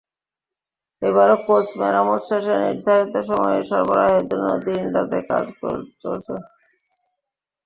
এবারও কোচ মেরামত শেষে নির্ধারিত সময়ে সরবরাহের জন্য দিনে-রাতে কাজ চলছে।